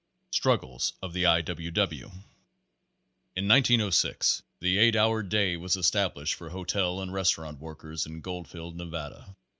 Struggles of the I. W. W. In 1906 the eight hour day was established for hotel and restaurant workers in Gbldfield, Nevada.